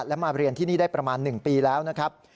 และมาเรียนที่นี่ได้ประมาณ๑ปีแล้วนะครับ